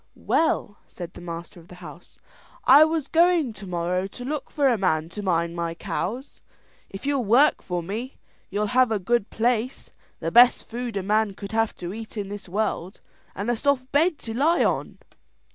"Well," said the master of the house, "I was going tomorrow to look for a man to mind my cows. If you'll work for me, you'll have a good place, the best food a man could have to eat in this world, and a soft bed to lie on."